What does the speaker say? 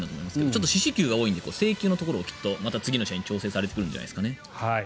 ちょっと四死球が多いので制球を、次の試合で調整されてくるんじゃないですかね。